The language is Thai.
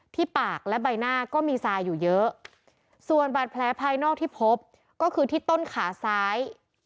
ที่ปากและใบหน้าก็มีทรายอยู่เยอะส่วนบาดแผลภายนอกที่พบก็คือที่ต้นขาซ้าย